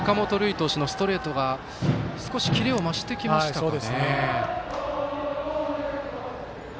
投手のストレートが少しキレを増してきましたかね。